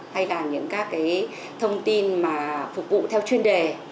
hay là những các cái thông tin mà phục vụ theo chuyên đề